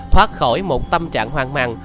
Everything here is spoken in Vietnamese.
thoát khỏi một tâm trạng hoang mạng